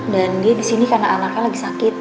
dan dia disini karena anaknya lagi sakit